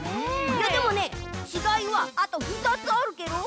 いやでもねちがいはあと２つあるケロ。